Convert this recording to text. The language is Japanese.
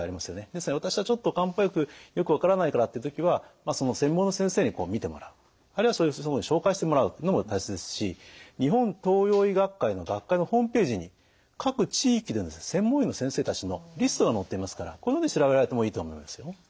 ですので「私はちょっと漢方薬よく分からないから」って時は専門の先生にこう診てもらうあるいはそういう先生を紹介してもらうのも大切ですし日本東洋医学会の学会のホームページに各地域での専門医の先生たちのリストが載っていますからここで調べられてもいいと思いますよ。